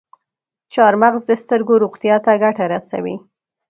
چارمغز د سترګو روغتیا ته ګټه رسوي.